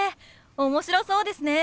面白そうですね！